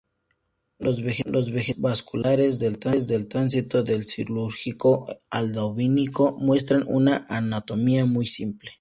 Los vegetales vasculares del tránsito del Silúrico al Devónico muestran una anatomía muy simple.